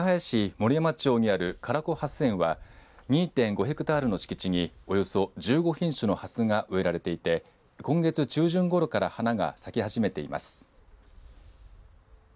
森山町にある唐比ハス園は２．５ヘクタールの敷地におよそ１５品種のハスが植えられていて今月中旬ごろから花が咲き始めています。